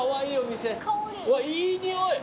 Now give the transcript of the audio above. うわいい匂い。